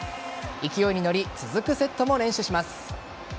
勢いに乗り続くセットも連取します。